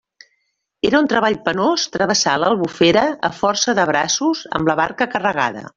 Era un treball penós travessar l'Albufera a força de braços amb la barca carregada.